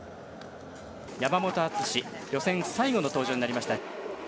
山本篤、予選、最後の登場になりました。